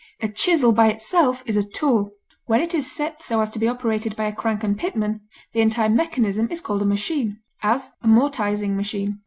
A chisel by itself is a tool; when it is set so as to be operated by a crank and pitman, the entire mechanism is called a machine; as, a mortising machine.